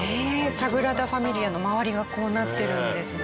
サグラダ・ファミリアの周りがこうなってるんですね。